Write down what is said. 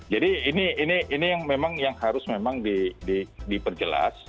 jadi ini yang memang harus diperjelas